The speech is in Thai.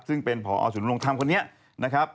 ซึ่งเป็นพอศูนย์ลงทำคนนี้นะครับ